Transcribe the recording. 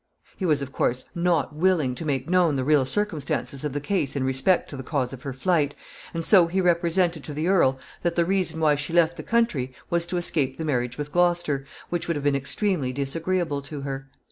] He was, of course not willing to make known the real circumstances of the case in respect to the cause of her flight, and so he represented to the earl that the reason why she left the country was to escape the marriage with Gloucester, which would have been extremely disagreeable to her.